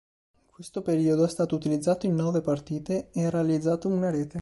In questo periodo, è stato utilizzato in nove partite e ha realizzato una rete.